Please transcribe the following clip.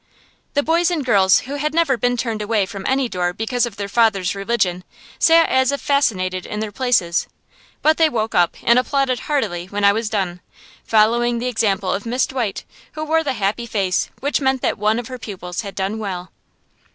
The boys and girls who had never been turned away from any door because of their father's religion sat as if fascinated in their places. But they woke up and applauded heartily when I was done, following the example of Miss Dwight, who wore the happy face which meant that one of her pupils had done well.